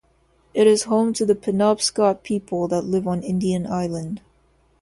It is home to the Penobscot people that live on Indian Island.